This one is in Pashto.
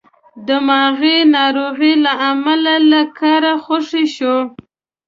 دماغې ناروغۍ له امله له کاره ګوښه شو.